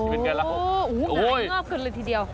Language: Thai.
โอ้โฮนายงอบเกินเลยทีเดียว